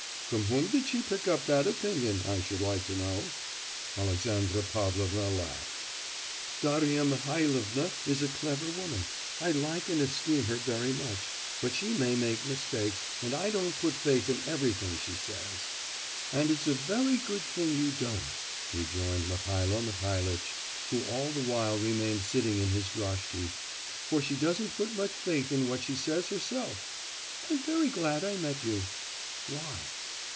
From whom did she pick up that opinion I should like to know?' Alexandra Pavlovna laughed. 'Darya Mihailovna is a clever woman, I like and esteem her very much; but she may make mistakes, and I don't put faith in everything she says.' 'And it's a very good thing you don't,' rejoined Mihailo Mihailitch, who all the while remained sitting in his droshky, 'for she doesn't put much faith in what she says herself. I'm very glad I met you.' 'Why?